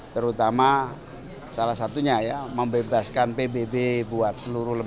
terutama salah satunya ya membebaskan pbb buat seluruh lembaga